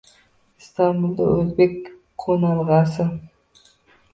Istanbuldagi “O‘zbek qo‘nalg‘asi”